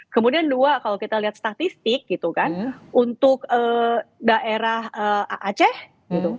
kemudian dua kalau kita lihat statistik gitu kan untuk daerah aceh gitu